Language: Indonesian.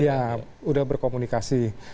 ya sudah berkomunikasi